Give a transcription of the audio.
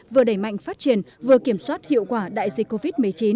vừa đẩy mạnh phát triển vừa kiểm soát hiệu quả đại dịch covid một mươi chín